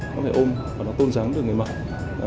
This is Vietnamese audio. nó phải ôm và nó tôn ráng được người mạng